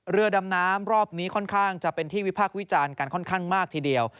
เรือดำน้ำรอบนี้ค่อนข้างจะเป็นที่วิพากษ์วิจารณ์กันค่อนข้างมากทีเดียว